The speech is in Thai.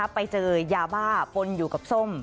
ไปเจอยาบ้าปนอยู่กับส้ม